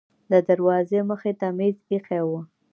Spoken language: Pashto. د دروازې مخې ته میز ایښی و.